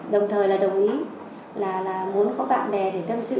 đồng thời là đồng ý là muốn có bạn bè để tâm sự